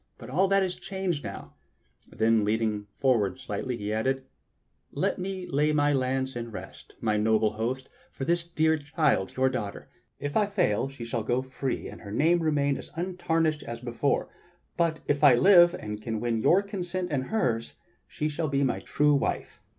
But all that is changed now." Then, leaning slightly forward, he added: "Let me lay my lance in rest, my noble host, for this dear child, your daughter. If I fail, she shall go free and her name remain as untarnished as before; but if I live, and can win your consent and hers, she shall be my true wife."